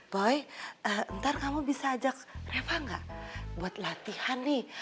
boy ntar kamu bisa ajak eva nggak buat latihan nih